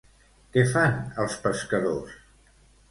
Què fan els pescadors?